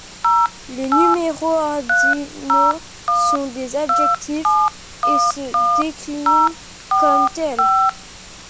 Les numéraux ordinaux sont des adjectifs et se déclinent comme tels.